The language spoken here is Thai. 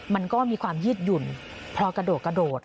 มันก็มีความยืดหยุ่นพอกระโดด